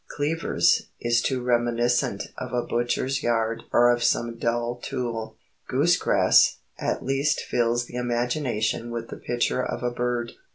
"Cleavers" is too reminiscent of a butcher's yard or of some dull tool. "Goose grass" at least fills the imagination with the picture of a bird.